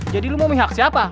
jadi lo mau mihak siapa